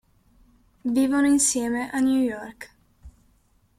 Vivono insieme a New York.